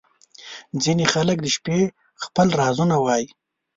• ځینې خلک د شپې خپل رازونه وایې.